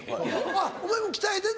あっお前も鍛えてんの？